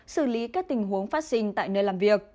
xử lý các tình huống vaccine tại nơi làm việc